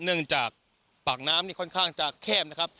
เนื่องจากปากน้ำนี่ค่อนข้างจะแคบนะครับ